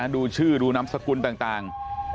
ดูชื่อดูนามสกุลต่าง